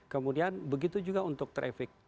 kemudian begitu juga untuk traffic